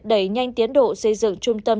đẩy nhanh tiến độ xây dựng trung tâm